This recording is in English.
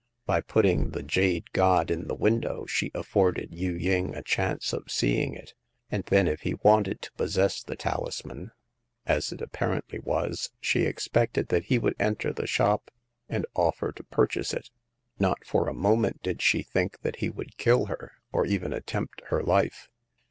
By putting the jade god in the window, she afforded Yu Ving a chance of seeing it ; and then, if he wanted to possess the tahsman—as it apparently wa6 — she expected that he would enter the shop and offer to pur chase it. Not for a moment did she think that he would kill her, or even attermpt her life.